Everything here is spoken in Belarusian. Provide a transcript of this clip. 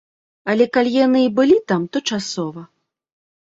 Але калі яны і былі там, то часова.